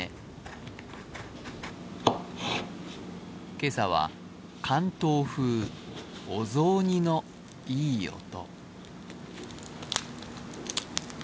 今朝は関東風お雑煮のいい音。